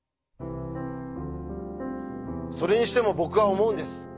それにしても僕は思うんです。